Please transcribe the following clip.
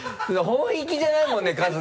本域じゃないもんね春日。